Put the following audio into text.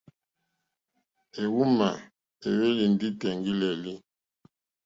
Éhwùmá éhwélì ndí tèŋɡí!lélí.